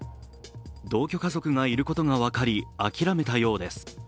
同居家族がいることが分かり諦めたようです。